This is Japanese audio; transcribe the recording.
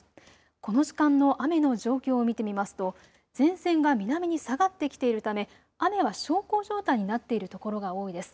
この時間の雨の状況を見てみますと前線が南に下がってきているため雨は小康状態になっているところが多いです。